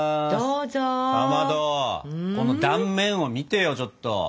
かまどこの断面を見てよちょっと！